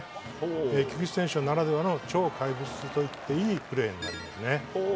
菊池選手ならではの超怪物といっていいプレーになります。